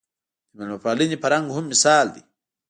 د مېلمه پالنې فرهنګ هم مثال دی